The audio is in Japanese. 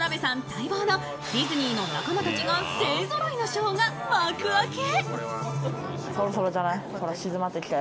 待望のディズニーの仲間たちが勢ぞろいのショーが幕開け。